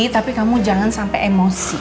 tapi kamu jangan sampai emosi